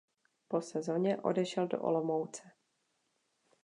Po sezoně odešel do Olomouce.